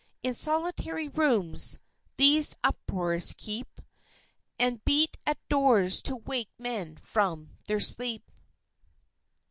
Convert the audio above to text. In solitary rooms, these uproars keep; And beat at doors to wake men from their sleep.